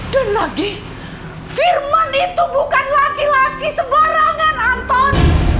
dan lagi firman itu bukan laki laki sembarangan anton